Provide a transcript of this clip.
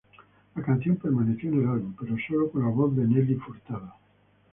La canción permaneció en el álbum, pero sólo con la voz de Nelly Furtado.